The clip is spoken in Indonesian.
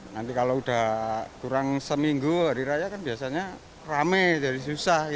nanti kalau udah kurang seminggu hari raya kan biasanya rame jadi susah